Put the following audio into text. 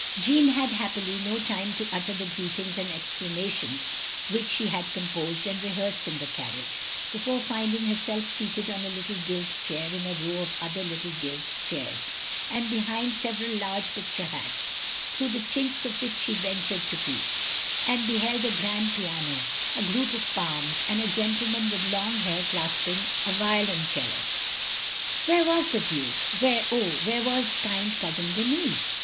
Jeanne had, happily, no time to utter the greetings and explanations which she had com posed and rehearsed in the carriage, before finding herself seated on a little gilt chair in a row of other little gilt chairs, and behind several large picture hats, through the chinks of which she ventured to peep; and beheld a grand piano, a group of palms, and a gentleman with long hair clasping a violoncello. Where was the Duke? Where, oh, where was kind Cousin Denis?